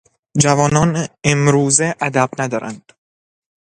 جوانان امروزه ادب ندارند.